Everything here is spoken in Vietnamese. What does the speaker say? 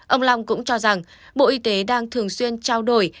ông long cũng cho rằng bộ y tế đang thường xuyên trao đổi